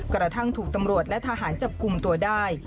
กระทั่งถูกตำรวจและทหารจับกลุ่มตัวได้